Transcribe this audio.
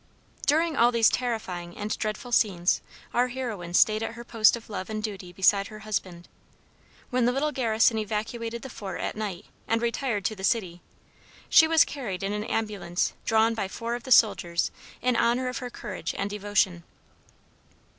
During all these terrifying and dreadful scenes, our heroine stayed at her post of love and duty beside her husband. When the little garrison evacuated the fort at night and retired to the city, she was carried in an ambulance drawn by four of the soldiers in honor of her courage and devotion.